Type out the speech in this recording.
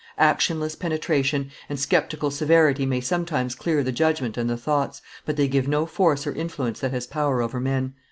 Actionless penetration and sceptical severity may sometimes clear the judgment and the thoughts, but they give no force or influence that has power over men.